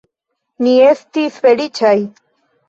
Ni estis feliĉaj.